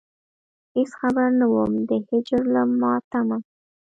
هېڅ خبر نه وم د هجر له ماتمه.